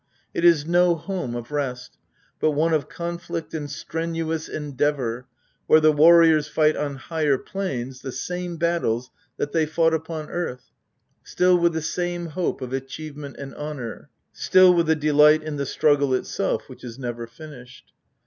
It is no home of rest, but one of conflict and strenuous endeavour, where the warriors tight on higher planes the same battles that they fought upon earth, still with the same hope of achievement and honour, still with a delight in the struggle itself, which is never finished.